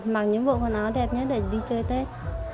mang những bộ quần áo đẹp nhất để đi chơi tết